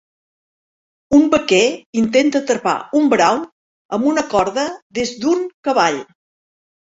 Un vaquer intenta atrapar un brau amb una corda des d"un cavall.